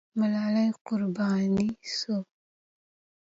ملالۍ قرباني سوه.